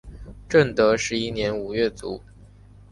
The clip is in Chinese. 正德十一年五月卒。